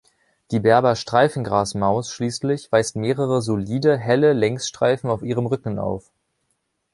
Die Berber-Streifengrasmaus schließlich weist mehrere solide, helle Längsstreifen auf ihrem Rücken auf.